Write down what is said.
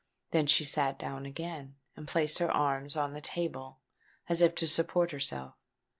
Then she sate down again, and placed her arms on the table as if to support herself.